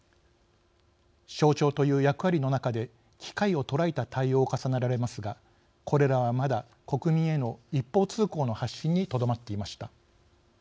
象徴という役割の中で機会を捉えた対応を重ねられますがこれらはまだ国民への一方通行の発信にとどまっていました。